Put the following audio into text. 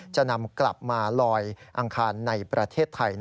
จะนำกลับมาลอยอังคารในประเทศไทย